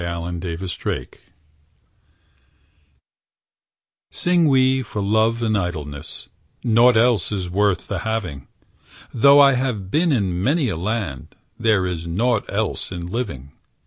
Ezra Pound An Immorality SING we for love and idleness, Naught else is worth the having. Though I have been in many a land, There is naught else in living.